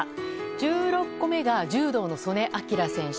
１６個目が柔道の素根輝選手。